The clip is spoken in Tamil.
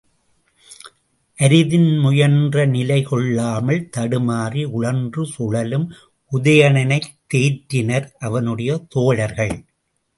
அரிதின் முயன்று நிலை கொள்ளாமல் தடுமாறி உழன்று சுழலும் உதயணனைத் தேற்றினர் அவனுடைய தோழர்கள்.